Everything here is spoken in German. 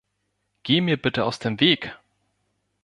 Geh mir bitte aus dem Weg!